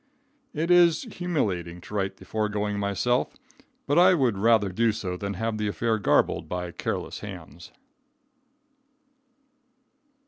It is humiliating to write the foregoing myself, but I would rather do so than have the affair garbled by careless hands.